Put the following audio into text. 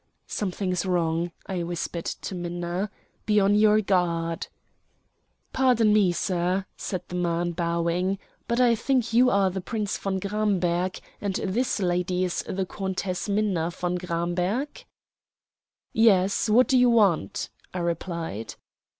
"Something is wrong," I whispered to Minna. "Be on your guard." "Pardon me, sir," said the man, bowing, "but I think you are the Prince von Gramberg, and this lady is the Countess Minna von Gramberg?" "Yes. What do you want?" I replied.